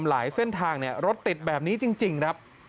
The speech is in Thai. หลายเส้นทางรถติดแบบนี้จริงครับ